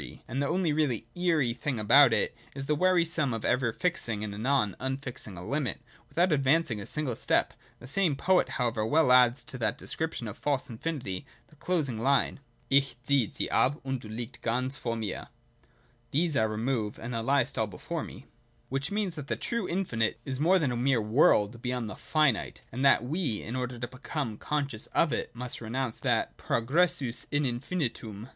The only really ' eery ' thing about it is the wearisomeness of ever fixing, and anon unfixing a limit, without advancing a single step. The same poet however well adds to that description of false infinity the closing line : 3c^ jirt) |ie ab, unb ®u tiegjl gauj «ov mtt. [These I remove, and Thou liest all before me.] I04.] PYTHAGOREAN PHILOSOPHY. 19^ Which means, that the true infinite is more than a mere world beyond the finite, and that we, in order to become conscious of it, must renounce that progressus in infinitum.